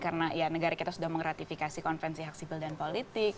karena ya negara kita sudah mengratifikasi konvensi hak sipil dan politik